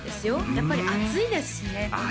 やっぱり暑いですしねああ